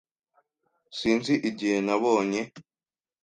Sinzi igihe nabonye.